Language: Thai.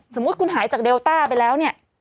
สมมุติคุณหายจากเดลโต้ไปแล้ว